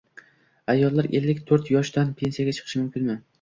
Ayollar ellik to'rt yoshdan pensiyaga chiqishi mumkinmi?